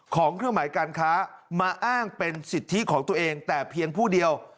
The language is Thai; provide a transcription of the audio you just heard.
เครื่องหมายการค้ามาอ้างเป็นสิทธิของตัวเองแต่เพียงผู้เดียว